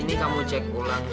ini kamu cek pulang